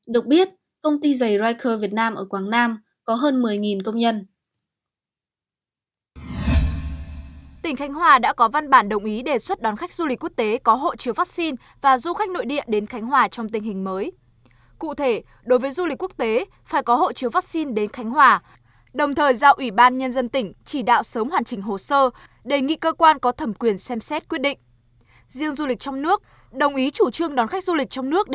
được biết công ty giày riker việt nam ở quảng nam có hơn một mươi công nhân